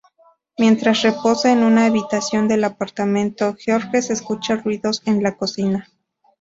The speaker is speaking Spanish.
Mientras reposa en una habitación del apartamento, Georges escucha ruidos en la cocina.